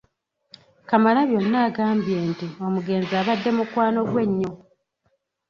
Kamalabyonna agambye nti omugenzi abadde mukwano gwe nnyo.